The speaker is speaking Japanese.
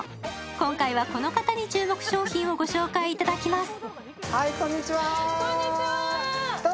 今回は、この方に、注目商品を御紹介いただきます。